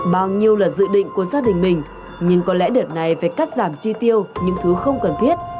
bao nhiêu là dự định của gia đình mình nhưng có lẽ đợt này phải cắt giảm chi tiêu những thứ không cần thiết